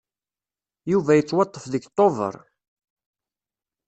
Yuba yettwaṭṭef deg Tubeṛ.